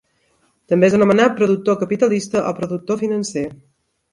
També és anomenat productor capitalista o productor financer.